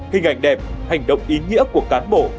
hình ảnh đẹp hành động ý nghĩa của cán bộ